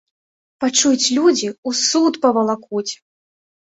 Пачуюць людзі, у суд павалакуць!